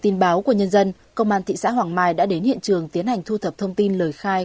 tin báo của nhân dân công an thị xã hoàng mai đã đến hiện trường tiến hành thu thập thông tin lời khai